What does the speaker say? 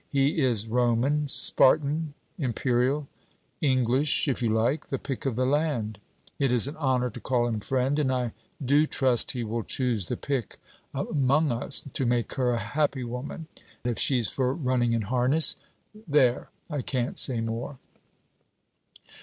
He is Roman, Spartan, Imperial; English, if you like, the pick, of the land. It is an honour to call him friend, and I do trust he will choose the pick among us, to make her a happy woman if she's for running in harness. There, I can't say more.'